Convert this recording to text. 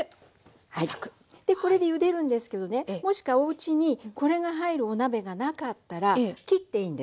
でこれでゆでるんですけどねもしくはおうちにこれが入るお鍋がなかったら切っていいんです。